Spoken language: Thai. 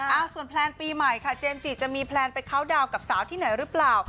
ส่วนแพลนปีใหม่ค่ะเจมส์จิจะมีแพลนไปเคาน์ดาวน์กับสาวที่ไหนหรือเปล่า